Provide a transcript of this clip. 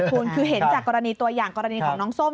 คุณคือเห็นจากกรณีตัวอย่างกรณีของน้องส้ม